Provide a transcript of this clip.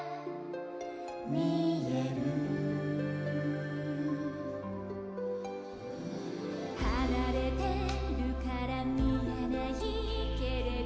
「みえる」「はなれているからみえないけれど」